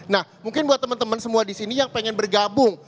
nah mungkin buat temen temen semua disini yang pengen bergabung